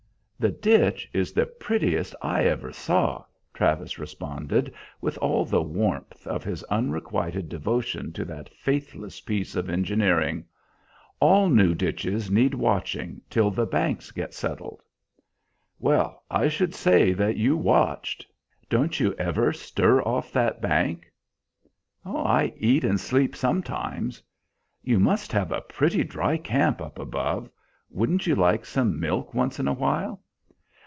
"The ditch is the prettiest I ever saw," Travis responded, with all the warmth of his unrequited devotion to that faithless piece of engineering. "All new ditches need watching till the banks get settled." "Well, I should say that you watched! Don't you ever stir off that bank?" "I eat and sleep sometimes." "You must have a pretty dry camp up above. Wouldn't you like some milk once in a while?"